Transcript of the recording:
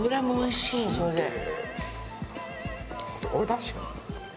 おだしが。